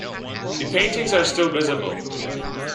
The paintings are still visible.